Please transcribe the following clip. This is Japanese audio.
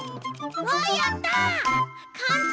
わあやった！